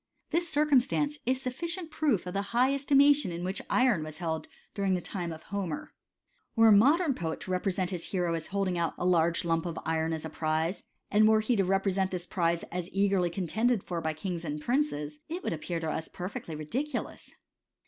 This circumstance is a sufficient proof of the high esti mation in which iron was held during the time of Homer. Were a modem poet to represent his hero as holding out a large lump of iron as a prize, and were he to represent this prize as eagerly contended for by kings and princes, it would appear to us per fectly ridiculous.